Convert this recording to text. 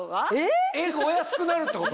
えっお安くなるってこと？